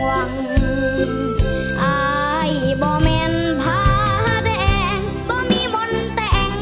อายบ่มันพาแดงบ่มีมนต่าง